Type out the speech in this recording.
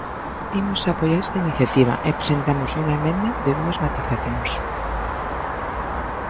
Imos apoiar esta iniciativa e presentámoslle unha emenda de dúas matizacións.